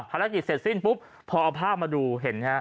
ภารกิจเสร็จสิ้นปุ๊บพอเอาภาพมาดูเห็นฮะ